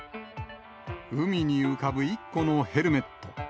海に浮かぶ１個のヘルメット。